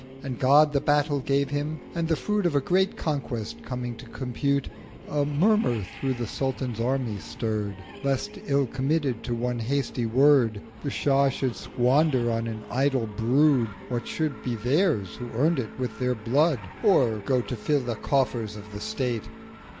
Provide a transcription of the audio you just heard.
And God the Battle gave him; and the Fruit Of a great Conquest coming to compute, A Murmur through the Sultan's Army stirr'd 1010 Lest, ill committed to one hasty Word, The Shah should squander on an idle Brood What should be theirs who earn'd it with their Blood, Or go to fill the Coffers of the State.